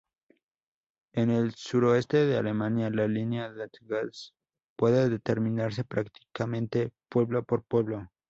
En el suroeste de Alemania, la línea "dat-das" puede determinarse prácticamente pueblo por pueblo.